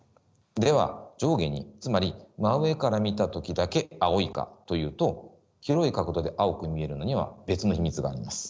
では上下につまり真上から見た時だけ青いかというと広い角度で青く見えるのには別の秘密があります。